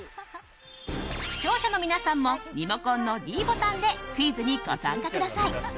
視聴者の皆さんもリモコンのｄボタンでクイズにご参加ください。